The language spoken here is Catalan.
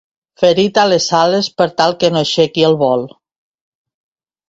Ferit a les ales per tal que no aixequi el vol.